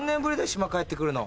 島帰ってくるの。